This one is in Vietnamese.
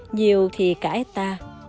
nhiều thì cãi ta